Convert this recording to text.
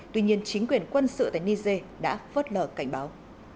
tuy nhiên chính quyền quân sự tại niger đã vớt lờ cảnh báo